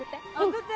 送って。